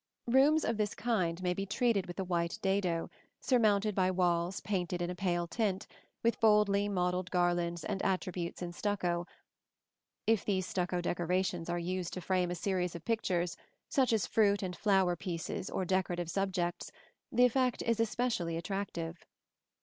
Rooms of this kind may be treated with a white dado, surmounted by walls painted in a pale tint, with boldly modelled garlands and attributes in stucco, also painted white (see Plate XIII). If these stucco decorations are used to frame a series of pictures, such as fruit and flower pieces or decorative subjects, the effect is especially attractive.